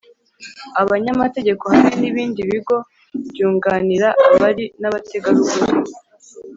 abanyamategeko hamwe n’ibindi bigo byunganira abari n’abategarugori,